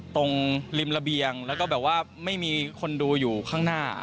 ตรงริมระเบียงแล้วก็แบบว่าไม่มีคนดูอยู่ข้างหน้า